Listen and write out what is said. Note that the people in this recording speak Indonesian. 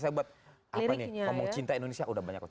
saya buat apa nih ngomong cinta indonesia udah banyak loh